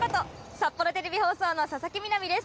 札幌テレビ放送の佐々木美波です。